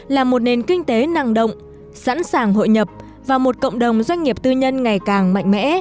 là một nền kinh tế năng động sẵn sàng hội nhập và một cộng đồng doanh nghiệp tư nhân ngày càng mạnh mẽ